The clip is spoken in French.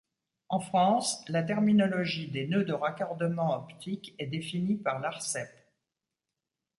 En France, la terminologie des nœuds de raccordement optique est définie par l'Arcep.